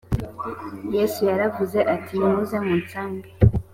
yesu yaravuze ati nimuze musange.